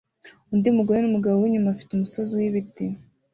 undi mugore numugabo winyuma afite umusozi wibiti